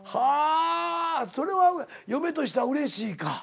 あそれは嫁としてはうれしいか。